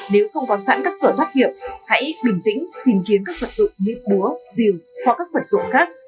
nếu không có sẵn các cửa thoát hiểm hãy bình tĩnh tìm kiếm các vật dụng như búa rìu hoặc các vật dụng khác